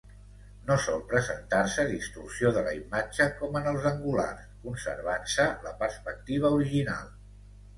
No sol presentar-se distorsió de la imatge com en els angulars, conservant-se la perspectiva original.